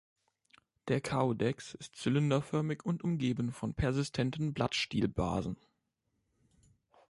Der Caudex ist zylinderförmig und umgeben von persistenten Blattstielbasen.